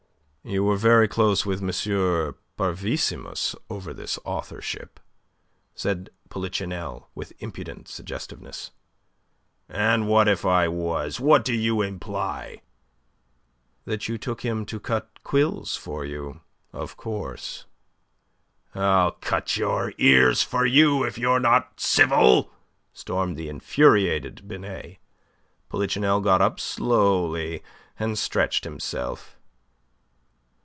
"You were very close with M. Parvissimus over this authorship," said Polichinelle, with impudent suggestiveness. "And what if I was? What do you imply?" "That you took him to cut quills for you, of course." "I'll cut your ears for you if you're not civil," stormed the infuriated Binet. Polichinelle got up slowly, and stretched himself.